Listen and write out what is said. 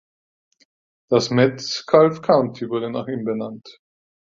Das Metcalfe County wurde nach ihm benannt.